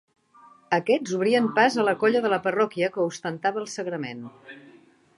Aquests obrien pas a la colla de la parròquia que ostentava el Sagrament.